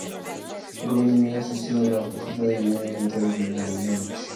El Gobierno unió así su destino a la fortuna militar de Mihailović.